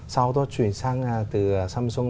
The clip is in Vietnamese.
sau đó chuyển sang từ samsung